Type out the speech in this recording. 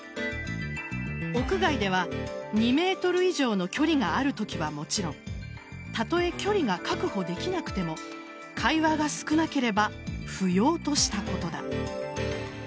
屋外では２ｍ以上の距離があるときはもちろんたとえ距離が確保できなくても会話が少なければ不要としたことだ。